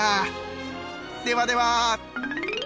ではでは。